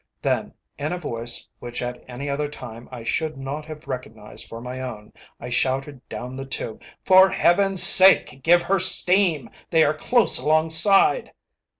Then in a voice which at any other time I should not have recognised for my own, I shouted down the tube "For Heaven's sake, give her steam. They are close alongside."